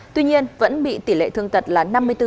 tuy nhiên vẫn bị tỷ lệ thương tật là năm mươi bốn